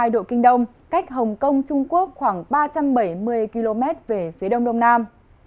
một trăm một mươi bảy hai độ kinh đông cách hồng kông trung quốc khoảng ba trăm bảy mươi km về phía đông đông nam